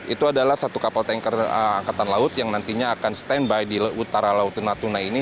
itu adalah satu kapal tanker angkatan laut yang nantinya akan standby di utara laut natuna ini